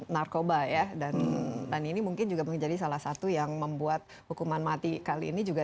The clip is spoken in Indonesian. narkoba ya dan dan ini mungkin juga menjadi salah satu yang membuat hukuman mati kali ini juga